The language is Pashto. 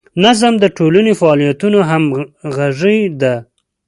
نظم د ټولنې د فعالیتونو همغږي ده.